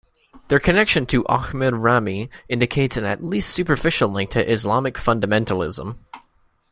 Their connection to Ahmed Rami indicates an at least superficial link to Islamic Fundamentalism.